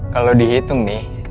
kalau dihitung nih